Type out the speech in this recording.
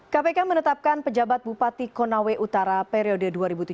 kpk menetapkan pejabat bupati konawe utara periode dua ribu tujuh belas dua ribu dua